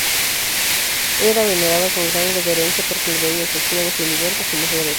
Era venerada con gran reverencia por plebeyos, esclavos y libertos y mujeres.